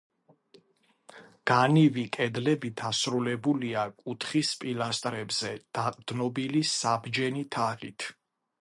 განივი კედლები დასრულებულია კუთხის პილასტრებზე დაყრდნობილი საბჯენი თაღით.